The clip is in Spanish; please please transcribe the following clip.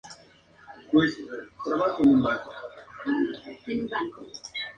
Ese mismo año comenzó a publicar su revista "Repertorio Americano".